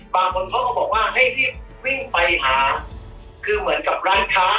บางคนเขาก็บอกว่าให้รีบวิ่งไปหาคือเหมือนกับร้านค้า